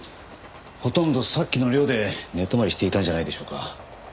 ほとんどさっきの寮で寝泊まりしていたんじゃないでしょうか。